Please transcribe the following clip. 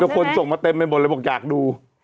เดี๋ยวคนส่งมาเต็มไปบนเลยบอกอยากดู